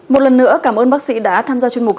một lần nữa cảm ơn bác sĩ đã tham gia chuyên mục